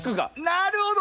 なるほど！